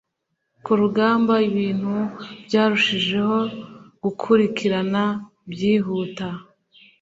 ku rugamba ibintu byarushijeho gukurikirana byihuta